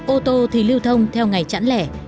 ô tô thì lưu thông theo ngày chẵn lẻ